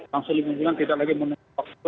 langsung dimakamkan tidak lagi menunggu waktu